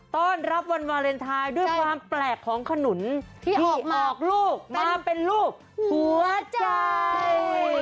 ต้อนรับวันวาเลนไทยด้วยความแปลกของขนุนที่ถูกออกลูกมาเป็นลูกหัวใจ